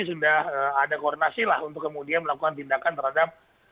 sudah ada koordinasi lah untuk kemudian melakukan tindakan terhadap